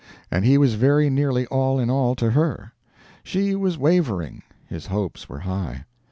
And he was very nearly all in all to her. She was wavering, his hopes were high.